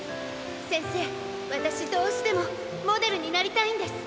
せんせいわたしどうしてもモデルになりたいんです。